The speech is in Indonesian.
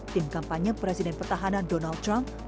tim kampanye presiden pertahanan donald trump